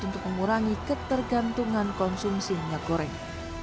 untuk mengurangi ketergantungan konsumsi minyak goreng